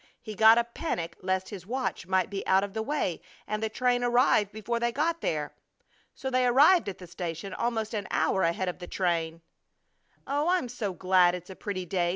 He got a panic lest his watch might be out of the way and the train arrive before they got there. So they arrived at the station almost an hour ahead of the train. "Oh, I'm so glad it's a pretty day!"